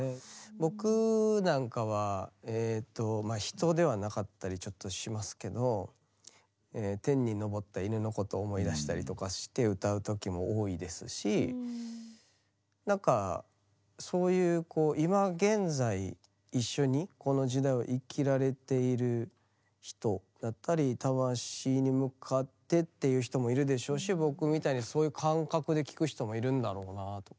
僕なんかはえとまあ人ではなかったりちょっとしますけどえ天に昇った犬のこと思い出したりとかして歌う時も多いですし何かそういうこう今現在一緒にこの時代を生きられている人だったり魂に向かってっていう人もいるでしょうし僕みたいにそういう感覚で聴く人もいるんだろうなあとか。